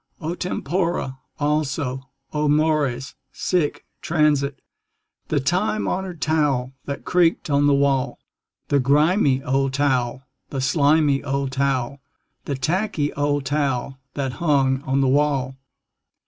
O tempora! Also, O mores! Sic transit The time honored towel that creaked on the wall. The grimy old towel, the slimy old towel, The tacky old towel that hung on the wall.